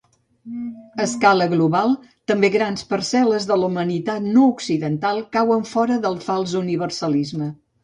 A escala global, també grans parcel·les de la humanitat no-occidental cauen fora del fals universalisme.